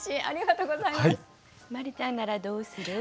ありがとうございます。